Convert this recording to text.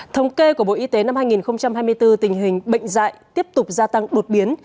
thống kê của bộ y tế năm hai nghìn hai mươi bốn tình hình bệnh dạy tiếp tục gia tăng đột biến